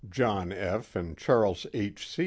John F; and Charles H, Q